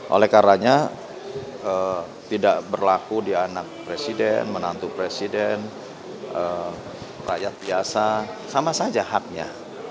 oleh karena tidak berlaku di anak presiden menantu presiden rakyat biasa sama saja haknya